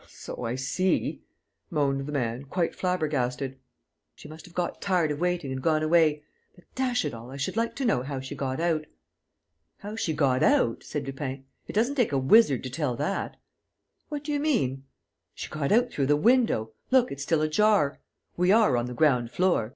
"So I see," moaned the man, quite flabbergasted. "She must have got tired of waiting and gone away. But, dash it all, I should like to know how she got out!" "How she got out?" said Lupin. "It doesn't take a wizard to tell that." "What do you mean?" "She got out through the window. Look, it's still ajar. We are on the ground floor....